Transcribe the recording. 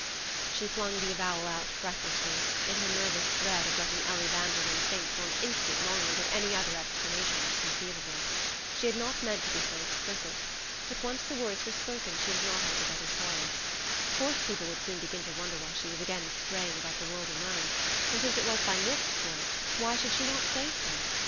She flung the avowal out breathlessly, in her nervous dread of letting Ellie Vanderlyn think for an instant longer that any other explanation was conceivable. She had not meant to be so explicit; but once the words were spoken she was not altogether sorry. Of course people would soon begin to wonder why she was again straying about the world alone; and since it was by Nick's choice, why should she not say so?